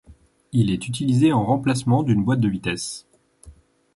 Il est utilisé en remplacement d'une boîte de vitesses.